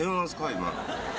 今の。